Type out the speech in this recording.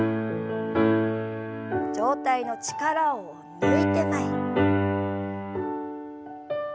上体の力を抜いて前に。